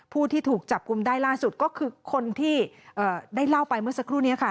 ผู้ที่ถูกจับกลุ่มได้ล่าสุดก็คือคนที่ได้เล่าไปเมื่อสักครู่นี้ค่ะ